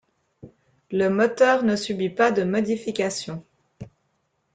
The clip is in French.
Le moteur ne subit pas de modifications.